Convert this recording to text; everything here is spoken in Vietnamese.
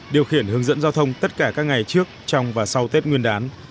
điều khiển hướng dẫn giao thông tất cả các ngày trước trong và sau tết nguyên đán